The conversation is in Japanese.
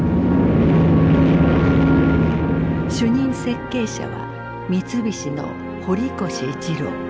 主任設計者は三菱の堀越二郎。